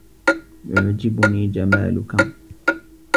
يُعْجِبُنِي جَمَالُك